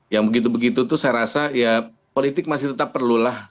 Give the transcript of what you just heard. yang begitu begitu itu saya rasa ya politik masih tetap perlulah